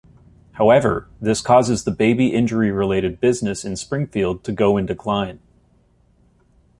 However, this causes the baby-injury-related business in Springfield to go in decline.